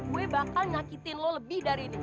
gue bakal nyakitin lo lebih dari ini